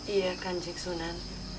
iya kanjeng sunan